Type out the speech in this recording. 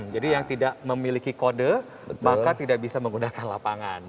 jadi yang tidak memiliki kode maka tidak bisa menggunakan lapangan